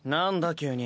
急に。